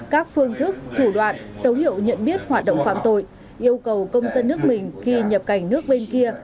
các phương thức thủ đoạn dấu hiệu nhận biết hoạt động phạm tội yêu cầu công dân nước mình khi nhập cảnh nước bên kia